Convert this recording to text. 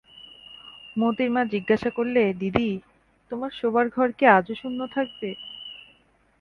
মোতির মা জিজ্ঞাসা করলে, দিদি, তোমার শোবার ঘর কি আজও শূন্য থাকবে?